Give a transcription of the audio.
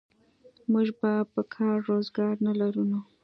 موږ به کار روزګار نه لرو نو.